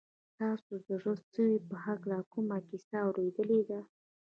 تاسو د زړه سوي په هکله کومه کیسه اورېدلې ده؟